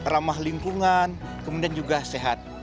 ramah lingkungan kemudian juga sehat